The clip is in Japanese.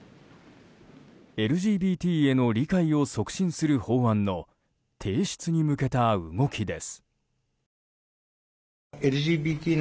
ＬＧＢＴへの理解を促進する法案の提出に向けた動きです。